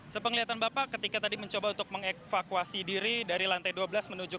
sepenglihatan bapak ketika tadi mencoba untuk mengevakuasi diri dari lantai dua belas menuju